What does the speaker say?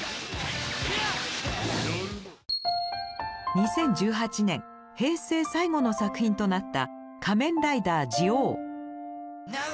２０１８年平成最後の作品となった「仮面ライダージオウ」。